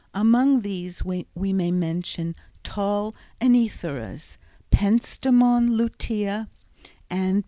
Among these we may mention tall œnotheras, Pentstemon lutea, and _P.